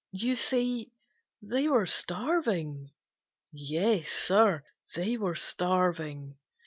You see, they were starving. Yes, Sir, they were starving.